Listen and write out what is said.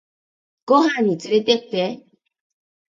ご飯につれてって